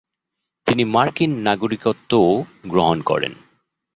তিনি মার্কিন নাগরিকত্বও গ্রহণ করেন।